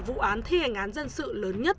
vụ án thi hành án dân sự lớn nhất